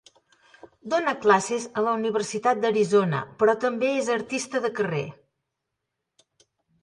Dóna classes a la Universitat d'Arizona, però també és artista de carrer.